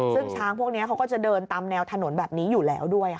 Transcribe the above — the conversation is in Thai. ซึ่งช้างพวกนี้เขาก็จะเดินตามแนวถนนแบบนี้อยู่แล้วด้วย